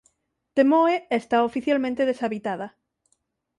Temoe está oficialmente deshabitada.